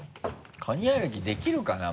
カニ歩きできるかな？